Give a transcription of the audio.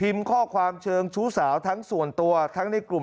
เลี้ยงดูพิมพ์ข้อความเชิงชู้สาวทั้งส่วนตัวทั้งในกลุ่ม